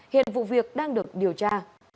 hiện vụ việc đang được điều tra